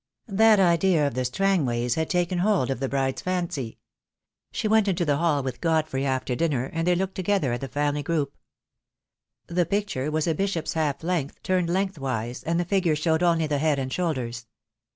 That idea of the Strangways had taken hold of the bride's fancy. She went into the hall with Godfrey after dinner, and they looked together at the family group. The picture was a bishop's half length, turned lengthwise, and the figures showed only the head and shoulders.